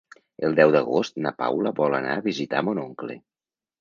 El deu d'agost na Paula vol anar a visitar mon oncle.